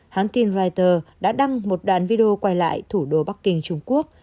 hãng tin reuters đã đăng một đoạn video quay lại thủ đô bắc kinh trung quốc